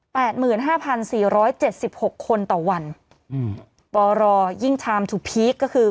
หมื่นห้าพันสี่ร้อยเจ็ดสิบหกคนต่อวันอืมปรยิ่งชามถูกพีคก็คือ